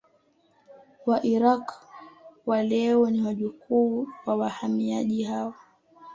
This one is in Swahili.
Wairaqw wa leo ni wajukuu wa wahamiaji hao